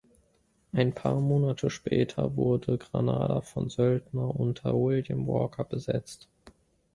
Ein paar Monate später wurde Granada von Söldner unter William Walker besetzt.